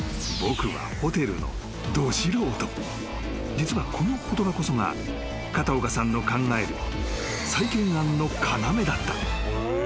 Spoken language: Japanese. ［実はこの言葉こそが片岡さんの考える再建案の要だった］